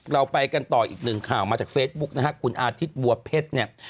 เราไปกันต่ออีกหนึ่งข่าวมาจากเฟซบุ๊กนะฮะคุณอาทิตย์บัวเพชรเนี่ย